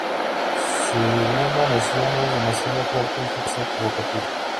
Si una nación es demasiado fuerte, esto puede ser provocativo.